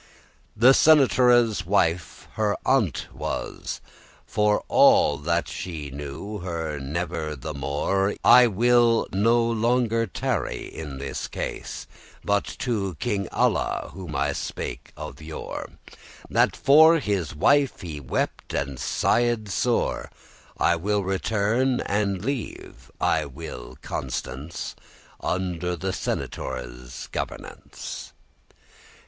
The senatores wife her aunte was, But for all that she knew her ne'er the more: I will no longer tarry in this case, But to King Alla, whom I spake of yore, That for his wife wept and sighed sore, I will return, and leave I will Constance Under the senatores governance.